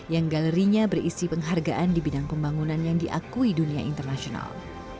yang galerinya berisi penghargaan di bidang pembangunan yang diakui dunia internasional